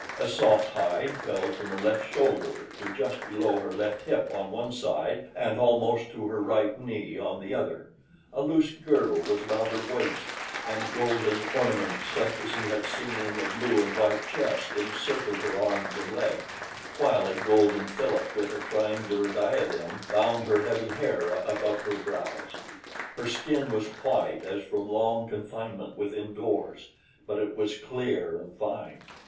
A soft hide fell from her left shoulder to just below her left hip on one side and almost to her right knee on the other, a loose girdle was about her waist, and golden ornaments such as he had seen in the blue and white chest encircled her arms and legs, while a golden fillet with a triangular diadem bound her heavy hair above her brows. Her skin was white as from long confinement within doors; but it was clear and fine.